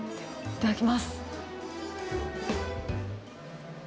いただきます。